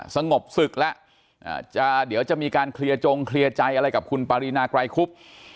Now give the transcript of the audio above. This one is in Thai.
สงบศึกแล้วเดี๋ยวจะมีการเคลียร์จงเคลียร์ใจอะไรกับคุณปารีนาไกรคุบ